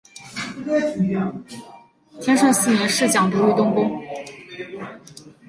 天顺四年侍讲读于东宫。